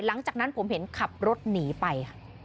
หลังจากนั้นผมเห็นขับรถหนีไปค่ะ